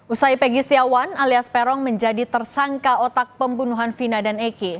usai peggy setiawan alias perong menjadi tersangka otak pembunuhan fina dan eki